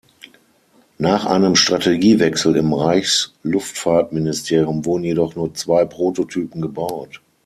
Nach einem Strategiewechsel im Reichsluftfahrtministerium wurden jedoch nur zwei Prototypen gebaut.